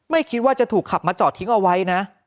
ไม่คิดว่าจะถูกขับมาจอดทิ้งเอาไว้นะ